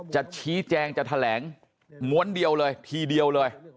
จะชี้แจงจะแถลงม้วนเดียวเลยทีเดียวเลย